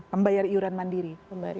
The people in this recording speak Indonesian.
pembayar iuran mandiri